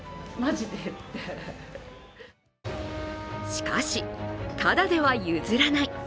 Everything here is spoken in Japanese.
しかし、ただでは譲らない。